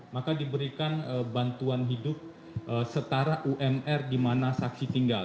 maka diberikan bantuan hidup setara umr di mana saksi tinggal